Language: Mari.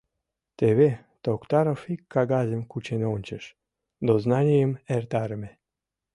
Теве, — Токтаров ик кагазым кучен ончыш, — дознанийым эртарыме.